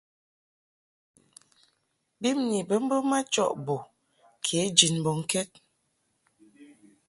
Bimni bə mbə majɔʼ bo kě jid mbɔŋkɛd.